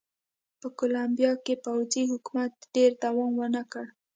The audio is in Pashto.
په کولمبیا کې پوځي حکومت ډېر دوام ونه کړ.